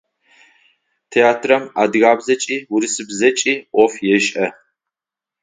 Театрам адыгабзэкӏи урысыбзэкӏи ӏоф ешӏэ.